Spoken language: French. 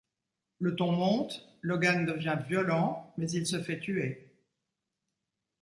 Le ton monte, Logan devient violent, mais il se fait tuer.